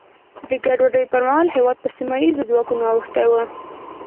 د ګډوډیو پر مهال هېواد په سیمه ییزو ځواکونو اوښتی و.